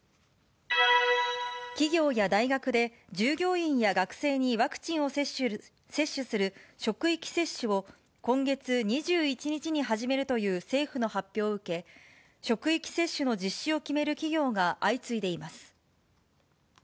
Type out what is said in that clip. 企業や大学で、従業員や学生にワクチンを接種する職域接種を、今月２１日に始めるという政府の発表を受け、職域接種の実施を決める企業が相次いでいます。